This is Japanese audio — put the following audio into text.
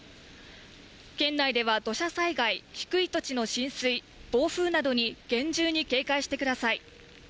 県内では土砂災害、低い土地の浸水、暴風などに厳重に警戒してください。